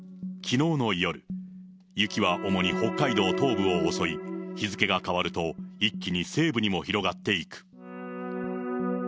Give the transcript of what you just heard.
きのうの夜、雪は主に北海道東部を襲い、日付が変わると一気に西部にも広がっていく。